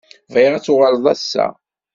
Bɣiɣ ad tuɣaleḍ ass-a.